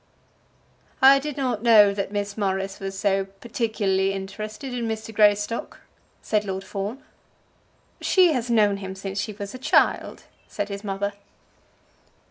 "I did not know that Miss Morris was so particularly interested in Mr. Greystock," said Lord Fawn. "She has known him since she was a child," said his mother.